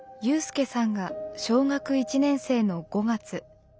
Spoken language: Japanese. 有さんが小学１年生の５月。